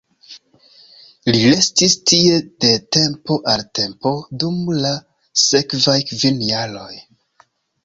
Li restis tie de tempo al tempo dum la sekvaj kvin jaroj.